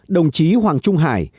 đồng chí hoàng trung hải